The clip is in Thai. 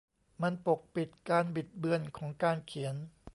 มันปกปิด 'การบิดเบือนของการเขียน'